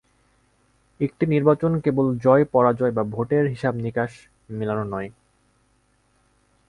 একটি নির্বাচন কেবল জয় পরাজয় বা ভোটের হিসাব নিকাশ মেলানো নয়।